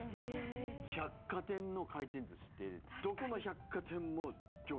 百貨店の回転寿司ってどこの百貨店も行列。